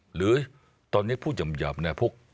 หรือตอนนี้พูดหย่ำเนี่ยพวก